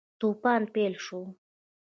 توپان پیل شو.